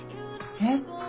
えっ？